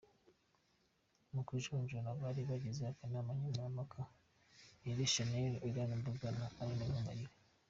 Mu kujonjora abari bagize akanama nkemurampaka ni Nirere Shanel, Ian Mbuga na Aline Gahongayire.